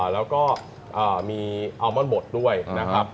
แล้วก็มีอัลมอนบทด้วยนะครับ